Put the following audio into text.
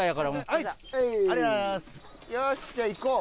はいよしじゃあ行こう。